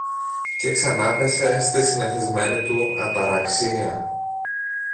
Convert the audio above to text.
και ξανάπεσε στη συνηθισμένη του αταραξία.